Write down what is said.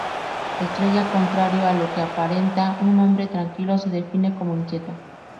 Estrella, contrario a lo que aparenta, un hombre tranquilo, se define como inquieto.